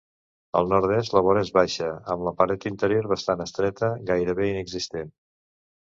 Al nord-est la vora és baixa, amb la paret interior bastant estreta, gairebé inexistent.